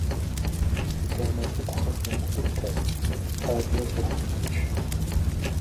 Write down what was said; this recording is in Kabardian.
Къудамэ цӀыкӀухэр умыкъутэ, лъабжьэр къыхыумыч.